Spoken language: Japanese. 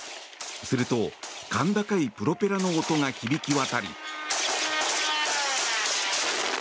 すると、甲高いプロペラの音が響き渡り。